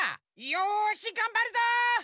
よしがんばるぞ！